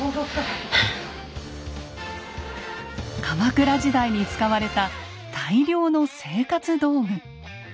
鎌倉時代に使われた大量の生活道具。